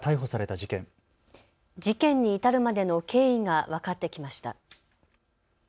事件に至るまでの経緯が分かってきました。